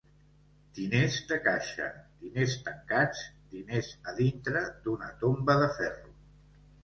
Diners de caixa, diners tancats, diners a dintre d'una tomba de ferro.